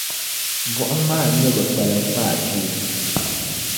Buɣum maa n-nyɛ bɛ kpaliŋkpaa shee.